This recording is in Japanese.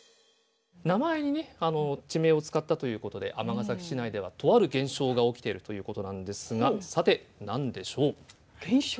名前にね地名を使ったということで尼崎市内ではとある現象が起きているということなんですがさて何でしょう？現象？